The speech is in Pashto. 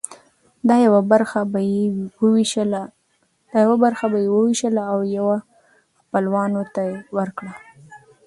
دا یوه برخه به یې وویشله او یوه خپلوانو ته ورکړه.